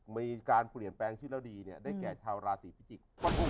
มีการเปลี่ยนแปลงชื่อแล้วดีเนี่ยได้แก่ชาวราศีพิจิก